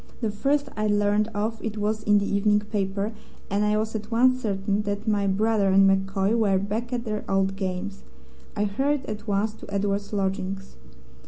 The first I learned of it was in the evening paper, and I was at once certain that my brother and MacCoy were back at their old games. I hurried at once to Edward's lodgings.